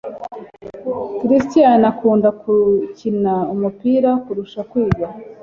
christian akunda gukina umupira kurusha kwiga